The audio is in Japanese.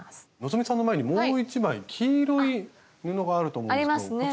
希さんの前にもう１枚黄色い布があると思うんですけど。